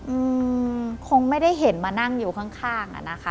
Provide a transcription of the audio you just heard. อืมคงไม่ได้เห็นมานั่งอยู่ข้างข้างอ่ะนะคะ